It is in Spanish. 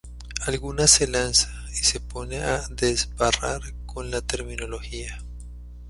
alguna se lanza y se pone a desbarrar con la terminología